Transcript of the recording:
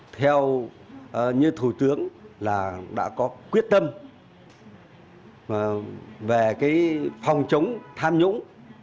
theo như thủ tướng là đã có quyết tâm về cái phòng chống tham nhũng